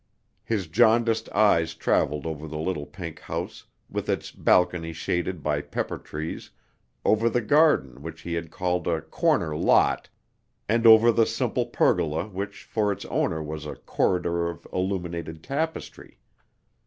His jaundiced eyes traveled over the little pink house, with its balcony shaded by pepper trees, over the garden which he had called a "corner lot," and over the simple pergola which for its owner was a "corridor of illuminated tapestry."